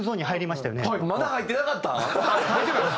まだ入ってなかったん？